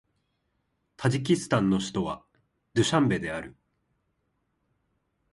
タジキスタンの首都はドゥシャンベである